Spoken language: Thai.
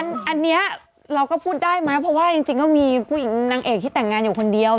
อันนี้เราก็พูดได้ไหมเพราะว่าจริงก็มีผู้หญิงนางเอกที่แต่งงานอยู่คนเดียว